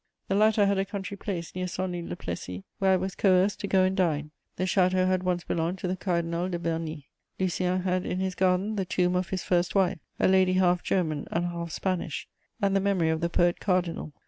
The latter had a country place near Senlis le Plessis, where I was coerced to go and dine; the château had once belonged to the Cardinal de Bernis. Lucien had in his garden the tomb of his first wife, a lady half German and half Spanish, and the memory of the poet cardinal.